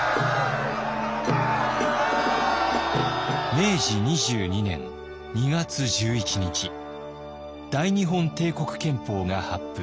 明治２２年２月１１日大日本帝国憲法が発布。